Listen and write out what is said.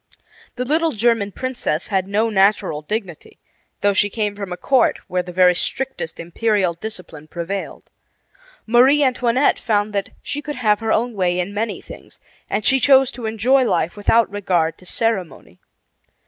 The little German princess had no natural dignity, though she came from a court where the very strictest imperial discipline prevailed. Marie Antoinette found that she could have her own way in many things, and she chose to enjoy life without regard to ceremony.